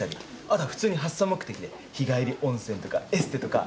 後は普通に発散目的で日帰り温泉とかエステとか。